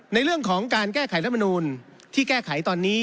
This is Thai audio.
ในเรื่องของการแก้ไขรัฐมนูลที่แก้ไขตอนนี้